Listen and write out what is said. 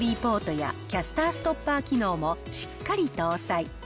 ＵＳＢポートやキャスターストッパー機能もしっかり搭載。